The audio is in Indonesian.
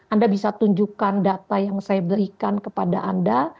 anda bisa tunjukkan data yang saya berikan kepada anda